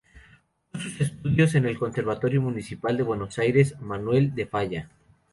Cursó sus estudios en el Conservatorio Municipal de Buenos Aires, Manuel de Falla.